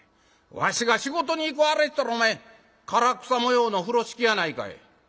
わしが仕事に行く『あれ』って言うたらお前唐草模様の風呂敷やないかい」。